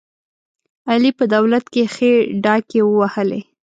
علي په دولت کې ښې ډاکې ووهلې.